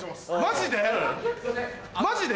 マジで？